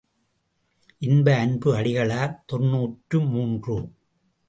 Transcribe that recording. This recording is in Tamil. இன்ப அன்பு அடிகளார் தொன்னூற்று மூன்று.